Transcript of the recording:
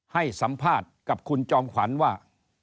ให้สัมภาษณ์กับคุณจอมขวัญว่า